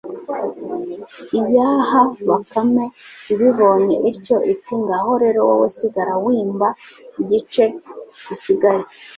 iyaha bakame, ibibonye ityo iti ngaho rero wowe sigara wimba igice gisigaye